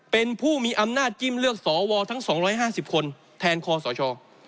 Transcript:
เป็นผู้มีอำนาจจิ้มเลือกสวทั้ง๒๕๐คนแทนคอสช